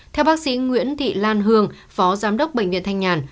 theo bác sĩ nguyễn thị lan hương phó giám đốc bệnh viện thanh nhàn